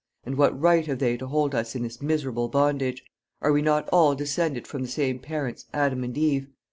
And what right have they to hold us in this miserable bondage? Are we not all descended from the same parents, Adam and Eve?